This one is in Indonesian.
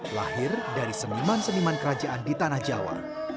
lahir dari seniman seniman kerajaan di tanah jawa